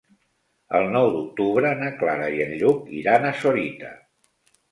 El nou d'octubre na Clara i en Lluc iran a Sorita.